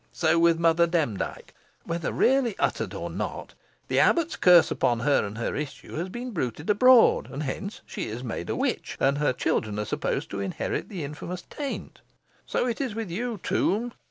So with Mother Demdike. Whether really uttered or not, the abbot's curse upon her and her issue has been bruited abroad, and hence she is made a witch, and her children are supposed to inherit the infamous taint. So it is with yon tomb.